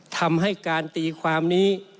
ทำให้การตีความนี้